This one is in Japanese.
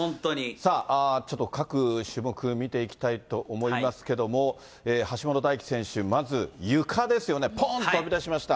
さあ、ちょっと各種目、見ていきたいと思いますけども、橋本大樹選手、まず、ゆかですよね、ぽーんと飛び出しました。